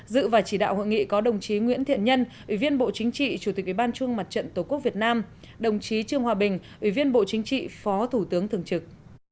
dự và chỉ đạo hội nghị có đồng chí nguyễn thiện nhân ủy viên bộ chính trị chủ tịch ủy ban trung mặt trận tổ quốc việt nam đồng chí trương hòa bình ủy viên bộ chính trị phó thủ tướng thường trực